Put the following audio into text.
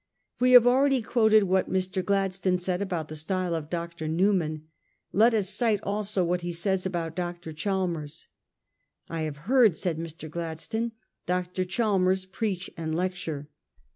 "We have already quoted what Mr. Gladstone said about the style of Dr. Newman ; let us cite also what he says about Dr. Chalmers. 'I have heard,' said Mr. Gladstone, ' Dr. Chalmers preach and lecture.